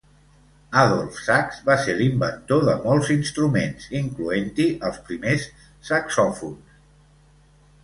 Adolph Sax va ser l'inventor de molts instruments, incloent-hi els primers saxofons.